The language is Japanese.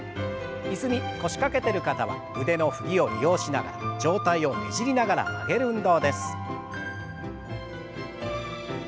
椅子に腰掛けてる方は腕の振りを利用しながら上体をねじりながら曲げる運動です。